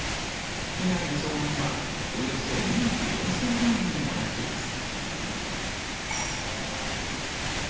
被害の総額はおよそ２億４０００万円にもなっています。